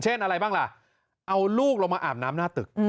อะไรบ้างล่ะเอาลูกลงมาอาบน้ำหน้าตึก